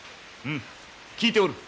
うん聞いておる。